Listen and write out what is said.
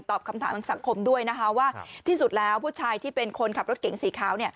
คำถามทางสังคมด้วยนะคะว่าที่สุดแล้วผู้ชายที่เป็นคนขับรถเก๋งสีขาว